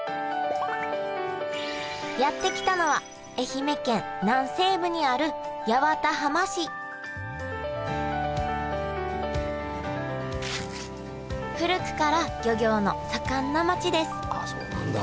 やって来たのは愛媛県南西部にある八幡浜市古くから漁業の盛んな町ですあそうなんだ！